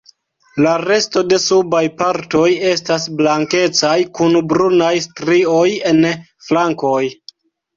La resto de subaj partoj estas blankecaj kun brunaj strioj en flankoj.